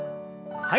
はい。